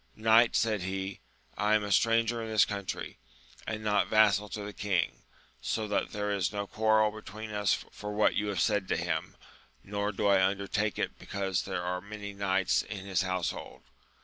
Knight, said he, I am a stranger in this country, and not vassal to the king, so that there is no quarrel between us for what you have said to him, nor do I undertake it he cause there are many knights in his household.